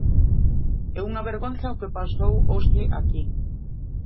É unha vergonza o que pasou hoxe aquí.